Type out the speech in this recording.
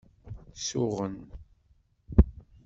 Suɣen.